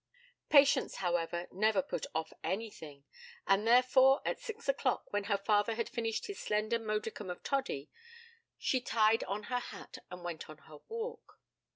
Patience, however, never put off anything, and therefore at six o'clock, when her father had finished his slender modicum of toddy, she tied on her hat and went on her walk.